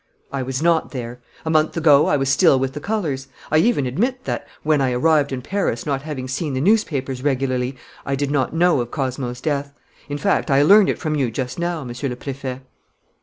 "I was not there. A month ago I was still with the colours. I even admit that, when I arrived in Paris, not having seen the newspapers regularly, I did not know of Cosmo's death. In fact, I learned it from you just now, Monsieur le Préfet."